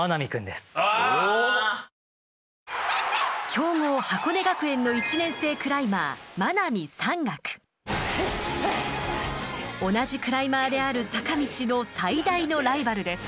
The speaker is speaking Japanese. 強豪箱根学園の１年生クライマー同じクライマーである坂道の最大のライバルです。